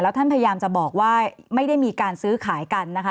ท่านพยายามจะบอกว่าไม่ได้มีการซื้อขายกันนะคะ